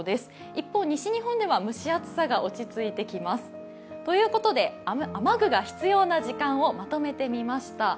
一方、西日本では蒸し暑さが落ち着いてきます。ということで、雨具が必要な時間をまとめてみました。